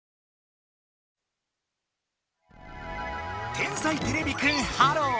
「天才てれびくんｈｅｌｌｏ，」。